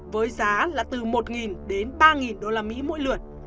với giá là từ một đến ba đô la mỹ mỗi lượt